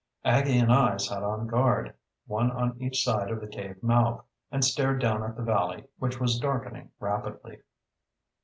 Aggie and I sat on guard, one on each side of the cave mouth, and stared down at the valley, which was darkening rapidly.